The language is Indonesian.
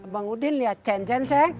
bang udien liat cen cen bang